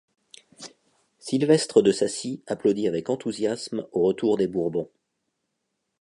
Silvestre de Sacy applaudit avec enthousiasme au retour des Bourbons.